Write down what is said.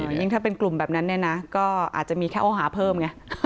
ยิ่งถ้าเป็นกลุ่มแบบนั้นเนี่ยนะก็อาจจะมีแค่ข้อหาเพิ่มไง